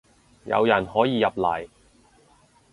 有人可以入嚟